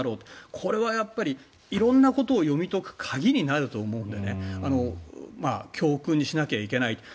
これはやっぱり、色んなことを読み解く鍵になると思うんで教訓にしなきゃいけないと。